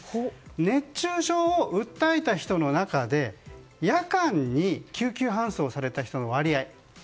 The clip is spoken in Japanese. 熱中症を訴えた人の中で夜間に救急搬送された人の割合